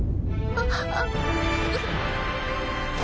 あっ！